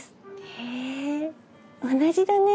へえ同じだねぇ。